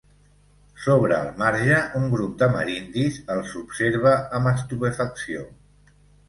Sobre el marge, un grup d'amerindis els observa amb estupefacció.